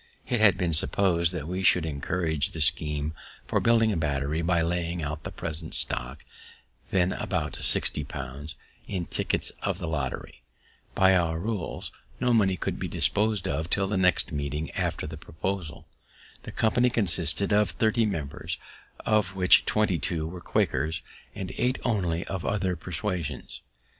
It had been propos'd that we should encourage the scheme for building a battery by laying out the present stock, then about sixty pounds, in tickets of the lottery. By our rules, no money could be dispos'd of till the next meeting after the proposal. The company consisted of thirty members, of which twenty two were Quakers, and eight only of other persuasions.